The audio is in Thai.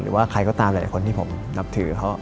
หรือว่าใครก็ตามหลายคนที่ผมนับถือเขา